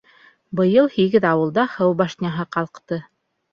Быйыл һигеҙ ауылда һыу башняһы ҡалҡты.